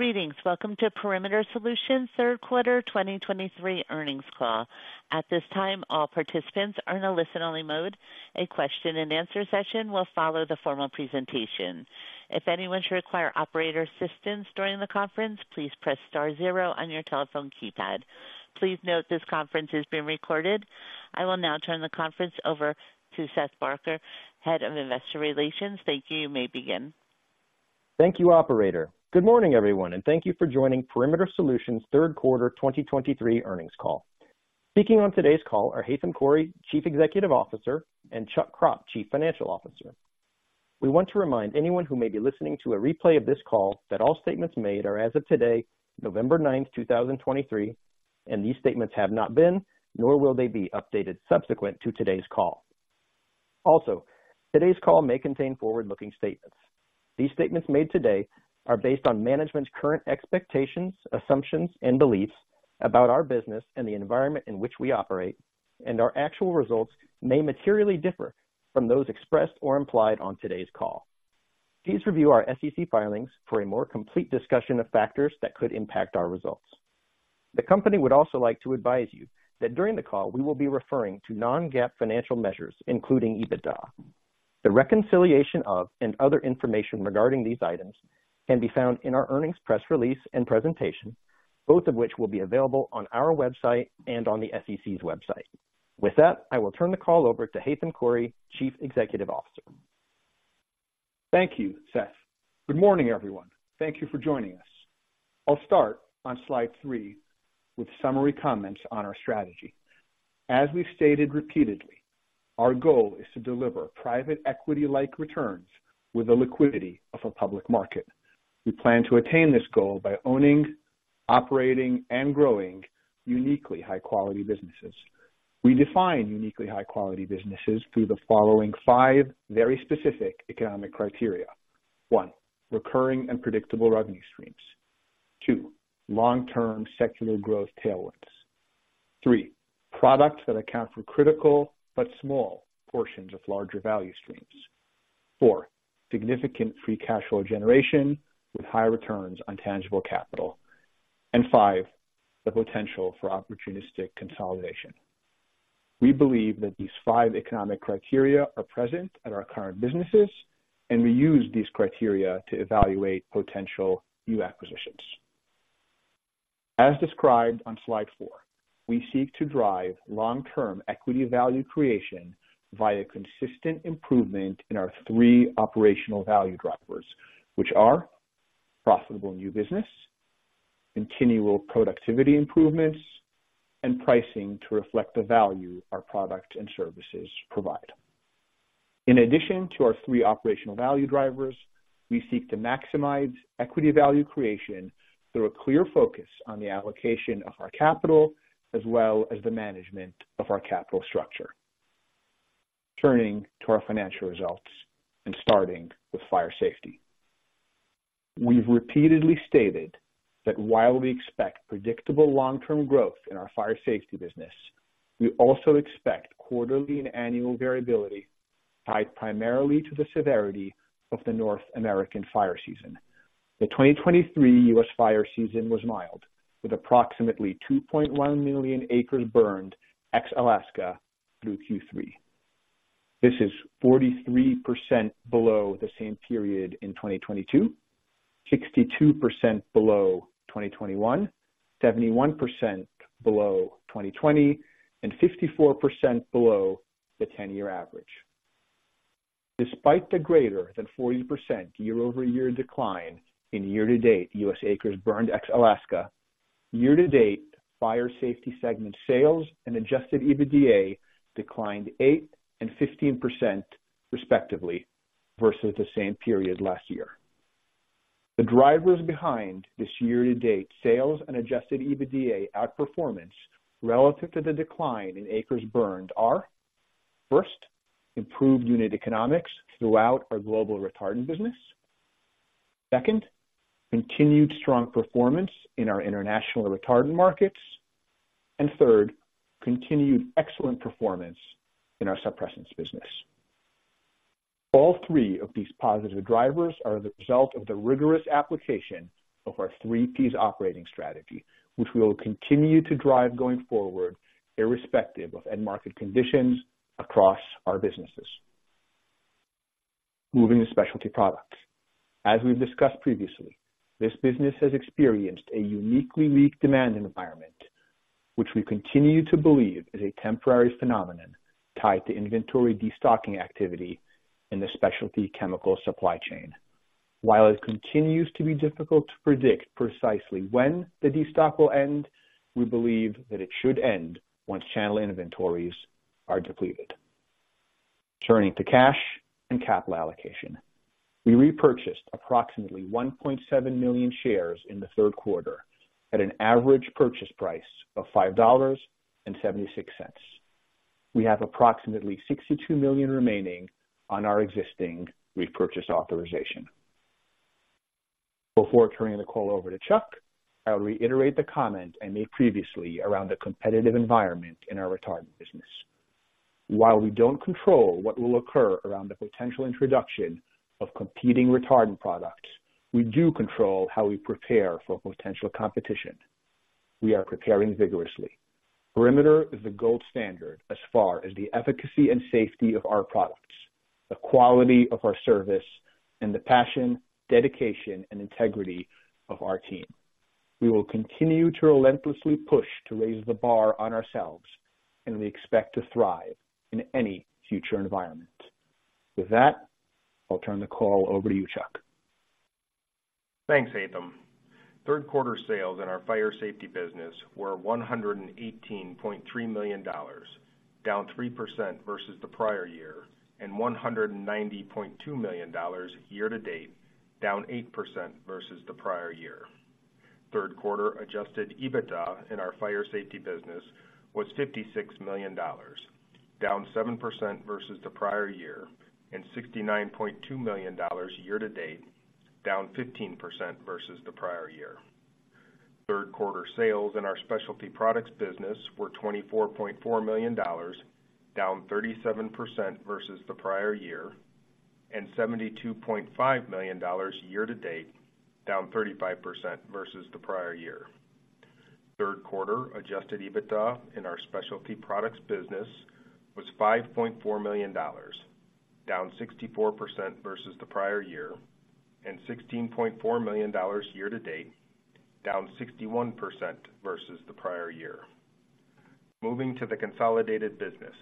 Greetings. Welcome to Perimeter Solutions' third quarter 2023 earnings call. At this time, all participants are in a listen-only mode. A question-and-answer session will follow the formal presentation. If anyone should require operator assistance during the conference, please press star zero on your telephone keypad. Please note this conference is being recorded. I will now turn the conference over to Seth Barker, Head of Investor Relations. Thank you. You may begin. Thank you, operator. Good morning, everyone, and thank you for joining Perimeter Solutions' third quarter 2023 earnings call. Speaking on today's call are Haitham Khouri, Chief Executive Officer, and Chuck Kropp, Chief Financial Officer. We want to remind anyone who may be listening to a replay of this call that all statements made are as of today, November ninth, two thousand and twenty-three, and these statements have not been, nor will they be updated subsequent to today's call. Also, today's call may contain forward-looking statements. These statements made today are based on management's current expectations, assumptions, and beliefs about our business and the environment in which we operate, and our actual results may materially differ from those expressed or implied on today's call. Please review our SEC filings for a more complete discussion of factors that could impact our results. The company would also like to advise you that during the call, we will be referring to non-GAAP financial measures, including EBITDA. The reconciliation of and other information regarding these items can be found in our earnings press release and presentation, both of which will be available on our website and on the SEC's website. With that, I will turn the call over to Haitham Khouri, Chief Executive Officer. Thank you, Seth. Good morning, everyone. Thank you for joining us. I'll start on slide 3 with summary comments on our strategy. As we've stated repeatedly, our goal is to deliver private equity-like returns with the liquidity of a public market. We plan to attain this goal by owning, operating, and growing uniquely high-quality businesses. We define uniquely high-quality businesses through the following five very specific economic criteria: One, recurring and predictable revenue streams. Two, long-term secular growth tailwinds. Three, products that account for critical but small portions of larger value streams. Four, significant free cash flow generation with high returns on tangible capital. And five, the potential for opportunistic consolidation. We believe that these five economic criteria are present at our current businesses, and we use these criteria to evaluate potential new acquisitions. As described on slide 4, we seek to drive long-term equity value creation via consistent improvement in our 3 operational value drivers, which are profitable new business, continual productivity improvements, and pricing to reflect the value our products and services provide. In addition to our 3 operational value drivers, we seek to maximize equity value creation through a clear focus on the allocation of our capital as well as the management of our capital structure. Turning to our financial results and starting with fire safety. We've repeatedly stated that while we expect predictable long-term growth in our fire safety business, we also expect quarterly and annual variability tied primarily to the severity of the North American fire season. The 2023 U.S. fire season was mild, with approximately 2.1 million acres burned, ex-Alaska, through Q3. This is 43% below the same period in 2022, 62% below 2021, 71% below 2020, and 54% below the 10-year average. Despite the greater than 40% year-over-year decline in year-to-date U.S. acres burned, ex-Alaska, year-to-date fire safety segment sales and Adjusted EBITDA declined 8% and 15%, respectively, versus the same period last year. The drivers behind this year-to-date sales and Adjusted EBITDA outperformance relative to the decline in acres burned are: first, improved unit economics throughout our global retardant business. Second, continued strong performance in our international retardant markets, and third, continued excellent performance in our suppressants business. All three of these positive drivers are the result of the rigorous application of our three P's operating strategy, which we will continue to drive going forward, irrespective of end market conditions across our businesses. Moving to specialty products. As we've discussed previously, this business has experienced a uniquely weak demand environment, which we continue to believe is a temporary phenomenon tied to inventory destocking activity in the specialty chemical supply chain. While it continues to be difficult to predict precisely when the destock will end, we believe that it should end once channel inventories are depleted. Turning to cash and capital allocation. We repurchased approximately 1.7 million shares in the third quarter at an average purchase price of $5.76. We have approximately 62 million remaining on our existing repurchase authorization. Before turning the call over to Chuck, I will reiterate the comment I made previously around the competitive environment in our retardant business. While we don't control what will occur around the potential introduction of competing retardant products, we do control how we prepare for potential competition. We are preparing vigorously. Perimeter is the gold standard as far as the efficacy and safety of our products, the quality of our service, and the passion, dedication, and integrity of our team. We will continue to relentlessly push to raise the bar on ourselves, and we expect to thrive in any future environment. With that, I'll turn the call over to you, Chuck. Thanks, Haitham. Third quarter sales in our fire safety business were $118.3 million, down 3% versus the prior year, and $190.2 million year to date, down 8% versus the prior year. Third quarter Adjusted EBITDA in our fire safety business was $56 million, down 7% versus the prior year, and $69.2 million year to date, down 15% versus the prior year. Third quarter sales in our specialty products business were $24.4 million, down 37% versus the prior year, and $72.5 million year to date, down 35% versus the prior year. Third quarter Adjusted EBITDA in our specialty products business was $5.4 million, down 64% versus the prior year, and $16.4 million year to date, down 61% versus the prior year. Moving to the consolidated business.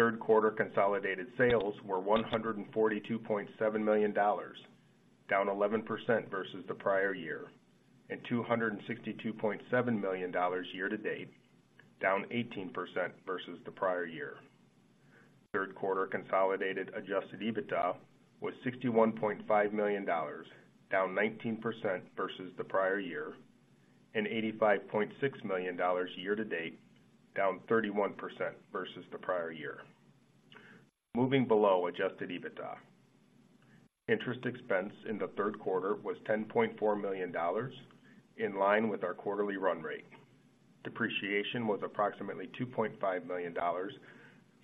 Third quarter consolidated sales were $142.7 million, down 11% versus the prior year, and $262.7 million year to date, down 18% versus the prior year. Third quarter consolidated Adjusted EBITDA was $61.5 million, down 19% versus the prior year, and $85.6 million year to date, down 31% versus the prior year. Moving below Adjusted EBITDA. Interest expense in the third quarter was $10.4 million, in line with our quarterly run rate. Depreciation was approximately $2.5 million,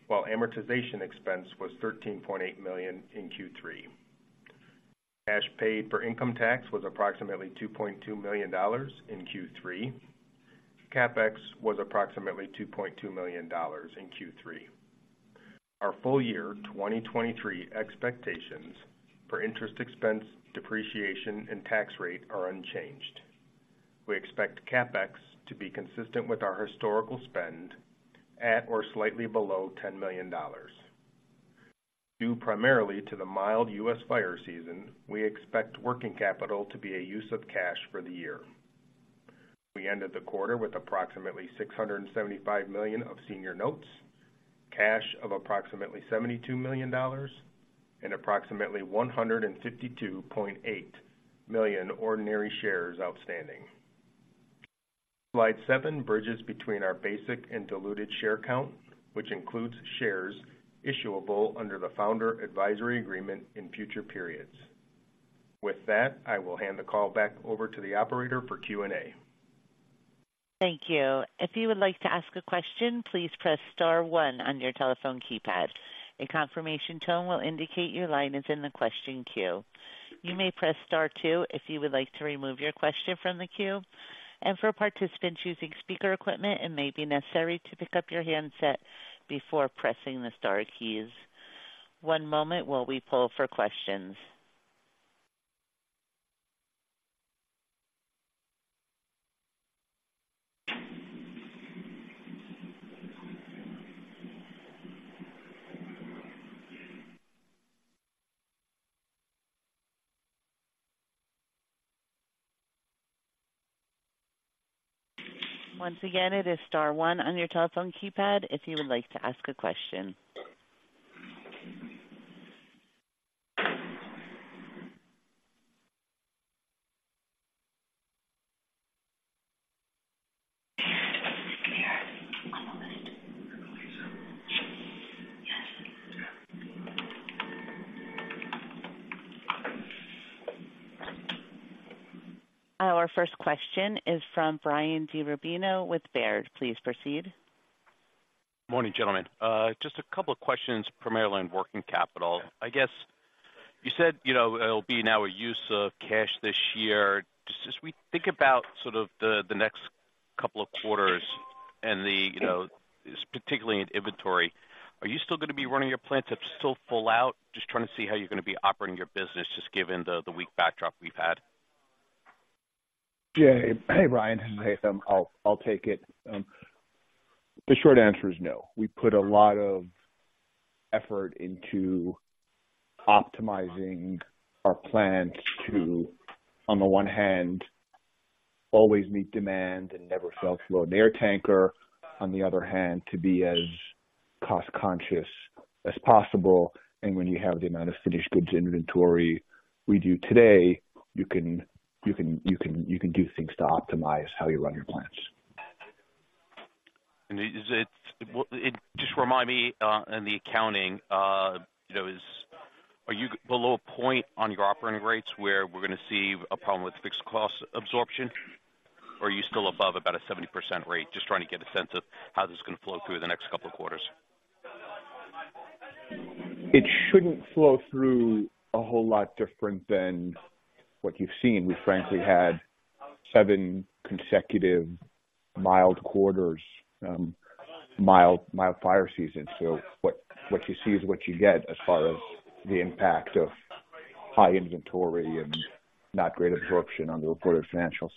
while amortization expense was $13.8 million in Q3. Cash paid for income tax was approximately $2.2 million in Q3. CapEx was approximately $2.2 million in Q3. Our full year 2023 expectations for interest expense, depreciation, and tax rate are unchanged. We expect CapEx to be consistent with our historical spend at or slightly below $10 million. Due primarily to the mild U.S. fire season, we expect working capital to be a use of cash for the year. We ended the quarter with approximately $675 million of senior notes, cash of approximately $72 million, and approximately 152.8 million ordinary shares outstanding. Slide 7 bridges between our basic and diluted share count, which includes shares issuable under the Founder Advisory Agreement in future periods. With that, I will hand the call back over to the operator for Q&A. Thank you. If you would like to ask a question, please press star one on your telephone keypad. A confirmation tone will indicate your line is in the question queue. You may press star two if you would like to remove your question from the queue, and for participants using speaker equipment, it may be necessary to pick up your handset before pressing the star keys. One moment while we pull for questions. Once again, it is star one on your telephone keypad if you would like to ask a question. One moment. Our first question is from Brian DiRubbio with Baird. Please proceed. Morning, gentlemen. Just a couple of questions, primarily on working capital. I guess you said, you know, it'll be now a use of cash this year. Just as we think about sort of the, the next couple of quarters and the, you know, particularly in inventory, are you still gonna be running your plants at still full out? Just trying to see how you're gonna be operating your business, just given the, the weak backdrop we've had. Yeah. Hey, Brian. Hey, I'll take it. The short answer is no. We put a lot of effort into optimizing our plant to, on the one hand, always meet demand and never self-load an air tanker, on the other hand, to be as cost-conscious as possible. And when you have the amount of finished goods inventory we do today, you can do things to optimize how you run your plants. Well, just remind me, in the accounting, you know, are you below a point on your operating rates where we're gonna see a problem with fixed cost absorption? Or are you still above about a 70% rate? Just trying to get a sense of how this is gonna flow through the next couple of quarters. It shouldn't flow through a whole lot different than what you've seen. We frankly had seven consecutive mild quarters, mild, mild fire season. So what you see is what you get as far as the impact of high inventory and not great absorption on the reported financials.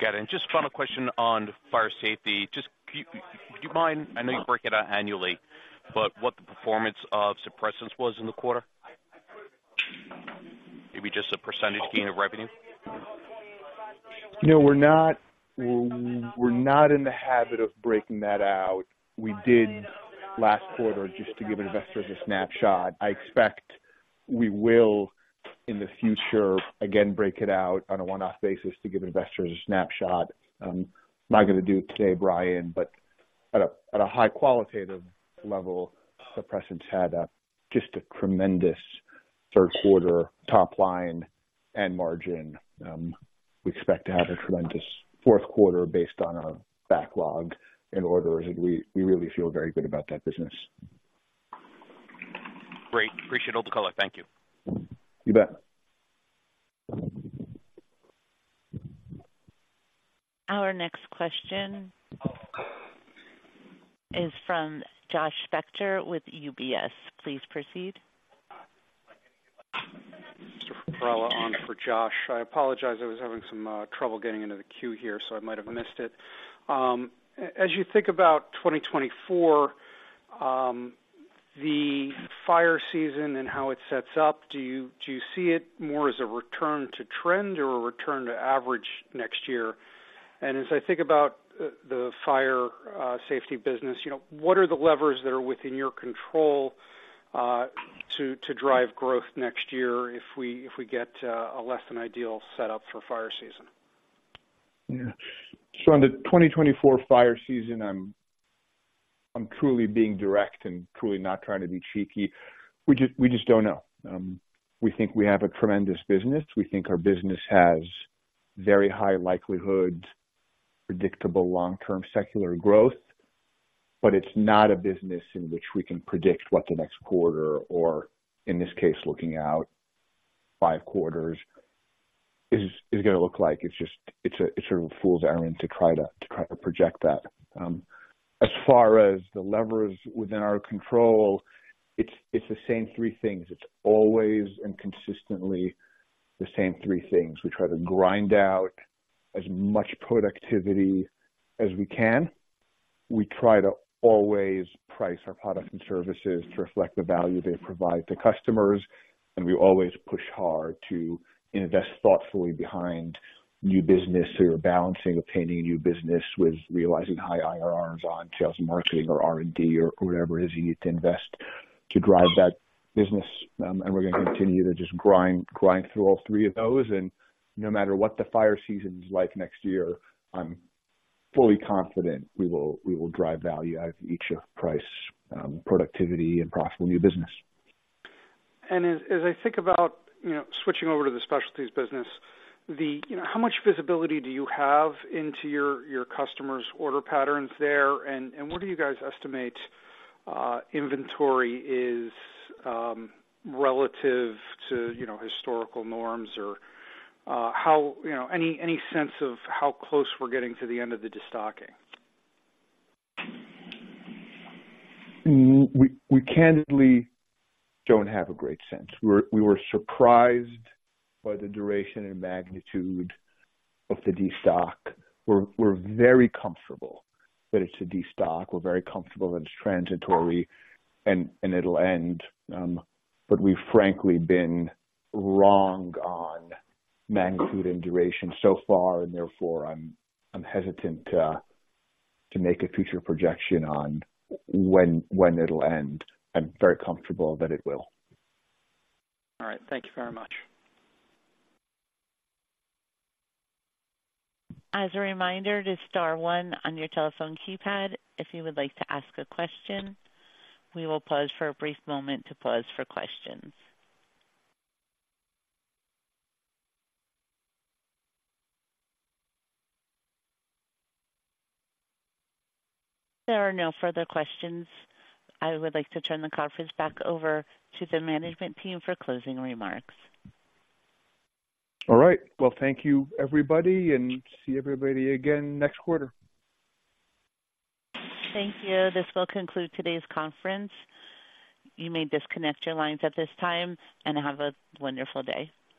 Got it. And just final question on fire safety. Just do you, do you mind? I know you break it out annually, but what the performance of suppressants was in the quarter? Maybe just a percentage gain of revenue. You know, we're not in the habit of breaking that out. We did last quarter just to give investors a snapshot. I expect we will, in the future, again, break it out on a one-off basis to give investors a snapshot. I'm not gonna do it today, Brian, but at a high qualitative level, suppressants had just a tremendous third quarter top line and margin. We expect to have a tremendous fourth quarter based on our backlog and orders. We really feel very good about that business. Great! Appreciate all the color. Thank you. You bet. Our next question is from Josh Spector with UBS. Please proceed. Mr. Perrella, on for Josh. I apologize, I was having some trouble getting into the queue here, so I might have missed it. As you think about 2024, the fire season and how it sets up, do you, do you see it more as a return to trend or a return to average next year? And as I think about the fire safety business, you know, what are the levers that are within your control to drive growth next year if we get a less than ideal setup for fire season? Yeah. So on the 2024 fire season, I'm truly being direct and truly not trying to be cheeky. We just don't know. We think we have a tremendous business. We think our business has very high likelihood, predictable, long-term secular growth, but it's not a business in which we can predict what the next quarter, or in this case, looking out five quarters, is gonna look like. It's just... It's a fool's errand to try to project that. As far as the levers within our control, it's the same three things. It's always and consistently the same three things. We try to grind out as much productivity as we can. We try to always price our products and services to reflect the value they provide to customers. And we always push hard to invest thoughtfully behind new business. So you're balancing obtaining new business with realizing high IRRs on sales and marketing or R&D or whatever it is you need to invest to drive that business. And we're gonna continue to just grind, grind through all three of those. And no matter what the fire season is like next year, I'm fully confident we will, we will drive value out of each of price, productivity and profitable new business. And as I think about, you know, switching over to the specialties business, you know, how much visibility do you have into your customers' order patterns there? And what do you guys estimate inventory is relative to, you know, historical norms or how, you know, any sense of how close we're getting to the end of the destocking? We candidly don't have a great sense. We were surprised by the duration and magnitude of the destock. We're very comfortable that it's a destock. We're very comfortable that it's transitory, and it'll end. But we've frankly been wrong on magnitude and duration so far, and therefore, I'm hesitant to make a future projection on when it'll end. I'm very comfortable that it will. All right. Thank you very much. As a reminder to star one on your telephone keypad, if you would like to ask a question. We will pause for a brief moment to pause for questions. There are no further questions. I would like to turn the conference back over to the management team for closing remarks. All right. Well, thank you, everybody, and see everybody again next quarter. Thank you. This will conclude today's conference. You may disconnect your lines at this time, and have a wonderful day.